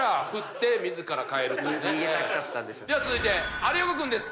では続いて有岡君です。